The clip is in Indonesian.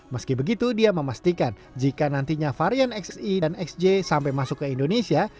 meski begitu dia memastikan jika nantinya varian xe dan xj sampai masuk ke indonesia